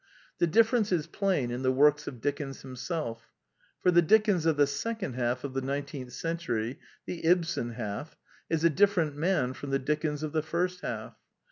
The difference is plain in the works of Dickens himself; for the Dickens of the second half of the nineteenth century (the Ibsen half) is a different man from the Dickens of the first half.